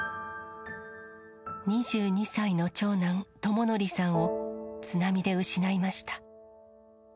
２２歳の長男、智則さんを、津波で失いました。